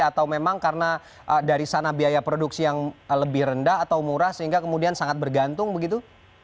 atau memang karena dari sana biaya produksi yang lebih rendah atau murah sehingga kemudian sangat bergantung begitu